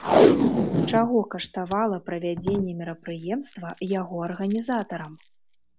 Чаго каштавала правядзенне мерапрыемства яго арганізатарам?